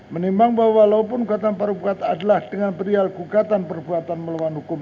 menimbang bahwa walaupun gugatan paru gugatan adalah dengan perial gugatan perbuatan melawan hukum